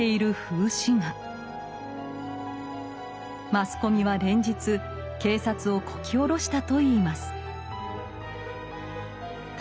マスコミは連日警察をこき下ろしたといいます。